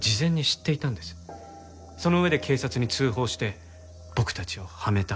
その上で警察に通報して僕たちをはめた。